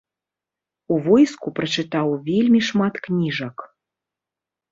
У войску прачытаў вельмі шмат кніжак.